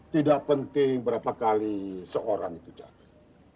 tidak penting berapa kali seorang itu capek